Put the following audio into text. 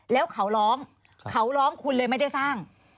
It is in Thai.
แล้วเขาร้องคุณเลยไม่ได้สร้าง